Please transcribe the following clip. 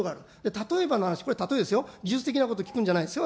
例えばの話、これ、例えですよ、技術的なことを聞くんじゃないですよ。